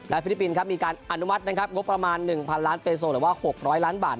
ฟิลิปปินส์ครับมีการอนุมัตินะครับงบประมาณ๑๐๐ล้านเปโซหรือว่า๖๐๐ล้านบาท